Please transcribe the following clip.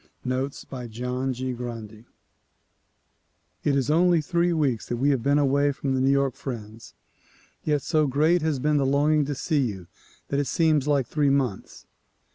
Notes by John G. Grundy IT IS only three weeks that we have been away from the New York friends, yet so great has been the longing to see you that it seems like three months.